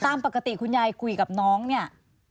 ตามปกติคุณยายคุยกับน้องเนี่ย